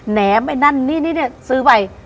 แหมไอ้นั่นนี่นี่ซื้อไป